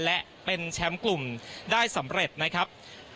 และเป็นแชมป์กลุ่มได้สำเร็จนะครับ